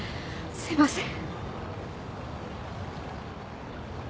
すいません